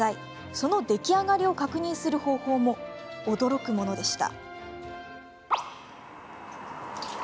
その出来上がりを確認する方法も驚くものでした。